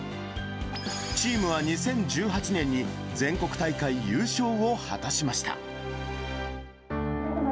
チームは２０１８年に全国大会優勝を果たしました。